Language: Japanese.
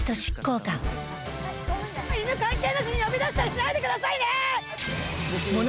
犬関係なしに呼び出したりしないでくださいね！